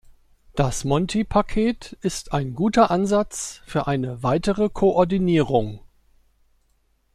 Das Monti-Paket ist ein guter Ansatz für eine weitere Koordinierung.